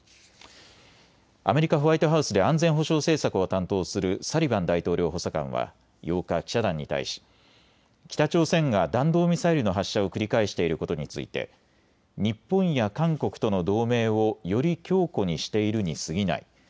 アメリカ・ホワイトハウスで安全保障政策を担当するサリバン大統領補佐官は８日、記者団に対し北朝鮮が弾道ミサイルの発射を繰り返していることについて日本や韓国との同盟をより強固にしているにすぎない。